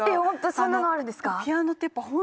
そんなのあるんですか？